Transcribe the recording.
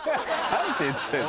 何て言ってんの？